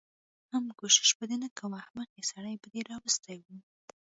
حم کوشش به دې نه کوه احمقې سړی به دې راوستی و.